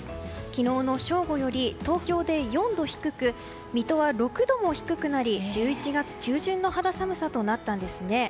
昨日の正午より東京で４度低く水戸は６度も低くなり１１月中旬の肌寒さとなったんですね。